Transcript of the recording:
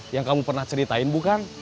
yang kamu pernah ceritain bukan